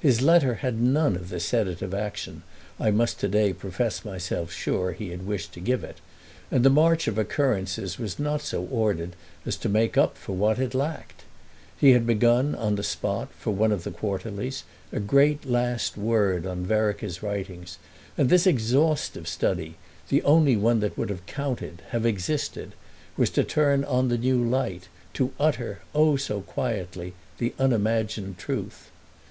His letter had none of the sedative action I must to day profess myself sure he had wished to give it, and the march of occurrences was not so ordered as to make up for what it lacked. He had begun on the spot, for one of the quarterlies, a great last word on Vereker's writings, and this exhaustive study, the only one that would have counted, have existed, was to turn on the new light, to utter—oh, so quietly!—the unimagined truth.